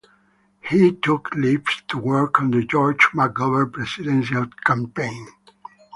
He took leave to work on the George McGovern Presidential Campaign.